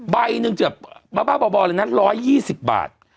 ใบหนึ่งจะเบาเบาเบาเลยนะร้อยยี่สิบบาท